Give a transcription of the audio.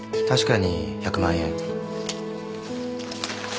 確かに１００万円。